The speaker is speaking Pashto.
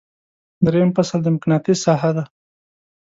دریم فصل د مقناطیس ساحه ده.